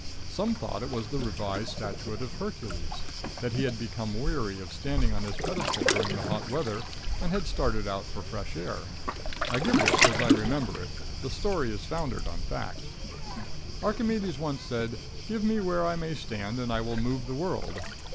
Some thought it was the revised statute of Hercules; that he had become weary of standing on his pedestal during the hot weather, and had started out for fresh air. I give this as I remember it. The story is foundered on fact. Archimedes once said: "Give me where I may stand, and I will move the world."